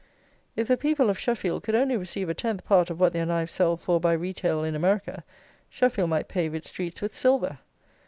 If the people of Sheffield could only receive a tenth part of what their knives sell for by retail in America, Sheffield might pave its streets with silver.